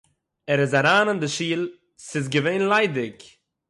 ער איז אריין אין די שול, עס איז געווען ליידיג